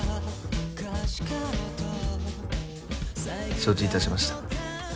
承知いたしました。